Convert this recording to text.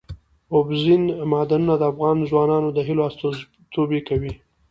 اوبزین معدنونه د افغان ځوانانو د هیلو استازیتوب کوي.